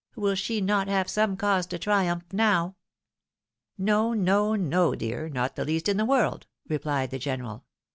Will she not have some cause to triumph now ?"" No, no, no, dear — not the least in the world," replied the general.